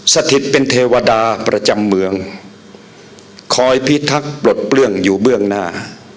สถิตเป็นเทวดาประจำเมืองคอยพิทักษ์ปลดเปลื้องอยู่เบื้องหน้า